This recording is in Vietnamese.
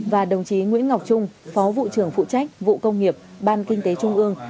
và đồng chí nguyễn ngọc trung phó vụ trưởng phụ trách vụ công nghiệp ban kinh tế trung ương